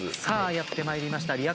さあやって参りました